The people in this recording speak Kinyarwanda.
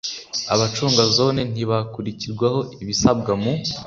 abacunga zone ntibakurirwaho ibisabwa mu